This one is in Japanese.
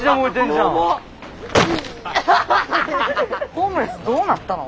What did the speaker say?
ホームレスどうなったの？